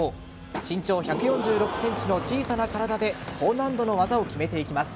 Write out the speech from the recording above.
身長１４６ｃｍの小さな体で高難度の技を決めていきます。